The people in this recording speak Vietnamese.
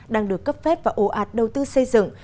đang được cấp phép và ồ ạt đầu tư xây dựng